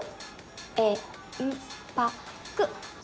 え・ん・ぱ・く。